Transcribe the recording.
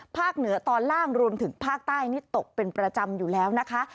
เหนือตอนล่างรวมถึงภาคใต้นี่ตกเป็นประจำอยู่แล้วนะคะ